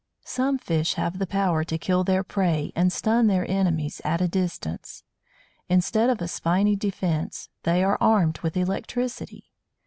Some fish have the power to kill their prey, and stun their enemies, at a distance! Instead of a spiny defence, they are _armed with electricity!